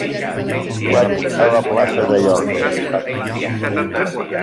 Vaig a la plaça de Llorca.